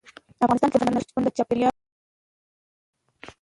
افغانستان کې سمندر نه شتون د چاپېریال د تغیر نښه ده.